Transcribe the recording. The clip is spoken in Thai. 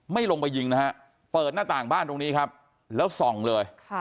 ไม่ลงไปยิงเปิดหน้าต่างบ้านตรงนี้แล้วส่องเลย